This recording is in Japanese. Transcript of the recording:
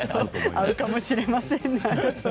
合うかもしれませんね。